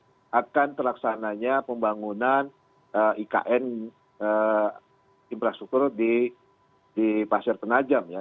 yang merasa tidak yakin akan terlaksananya pembangunan ikn infrastruktur di pasir penajam ya